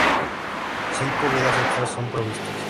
Cinco vidas extra son provistas.